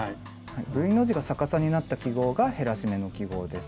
Ｖの字が逆さになった記号が減らし目の記号です。